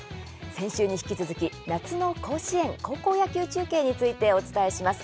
先週に引き続き夏の甲子園、高校野球中継についてお伝えします。